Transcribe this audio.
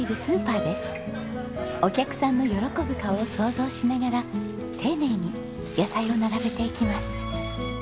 お客さんの喜ぶ顔を想像しながら丁寧に野菜を並べていきます。